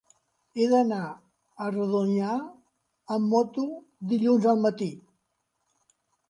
He d'anar a Rodonyà amb moto dilluns al matí.